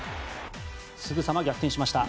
すぐさま逆転しました。